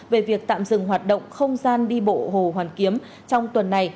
về việc tạm dừng hoạt động không gian đi bộ hồ hoàn kiếm trong tuần này